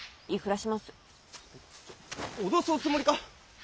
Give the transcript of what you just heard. ちょ脅すおつもりか。